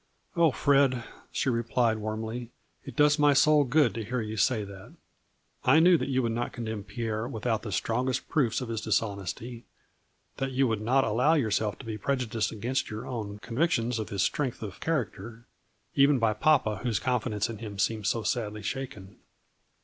" Oh, Fred," she replied warmly " it does my soul good to hear you say that. I knew that you would not condemn Pierre without the strongest proofs of his dishonesty, that you would not allow yourself to be prejudiced against your own convictions of his strength of char acter, even by papa whose confidence in him seems so sadly shaken.